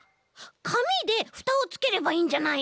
かみでふたをつければいいんじゃない？